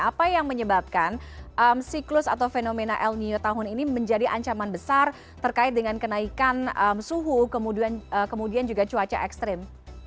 apa yang menyebabkan siklus atau fenomena el nino tahun ini menjadi ancaman besar terkait dengan kenaikan suhu kemudian juga cuaca ekstrim